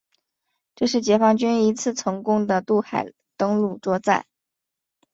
这是解放军一次成功的渡海登陆作战。